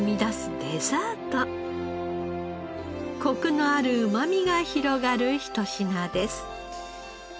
コクのあるうまみが広がるひと品です。